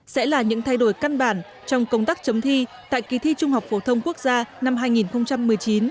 sẽ là những thay đổi căn bản trong công tác chấm thi tại kỳ thi trung học phổ thông quốc gia năm hai nghìn một mươi chín